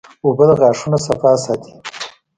اوبه د غاښونو صفا ساتي